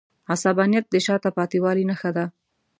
عصبانیت د شاته پاتې والي نښه ده.